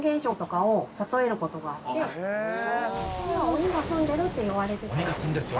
鬼がすんでるっていわれてたんだ。